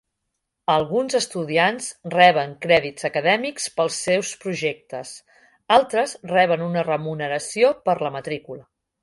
Alguns estudiants reben crèdits acadèmics pels seus projectes; altres reben una remuneració per la matrícula.